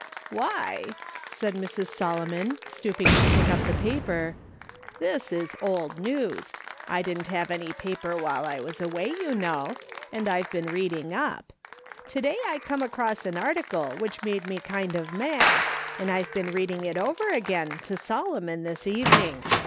" Why," said Mrs. Solomon, stooping to pick up the paper, " this is old news. I didn't have my paper while I was away, you know, and I've been reading up. To day I come across an article which made me kind of mad, and I've been reading it over again, to Solo mon, this evening.